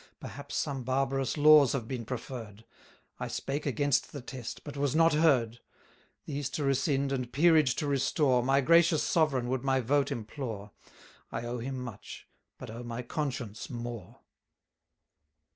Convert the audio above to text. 780 Perhaps some barbarous laws have been preferr'd; I spake against the Test, but was not heard; These to rescind, and peerage to restore, My gracious Sovereign would my vote implore: I owe him much, but owe my conscience more.